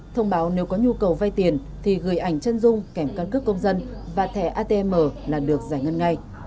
thông báo nếu có nhu cầu vay tiền thì gửi ảnh chân dung kèm căn cước công dân và thẻ atm là được giải ngân ngay